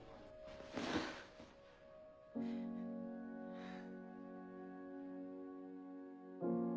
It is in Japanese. ハァ。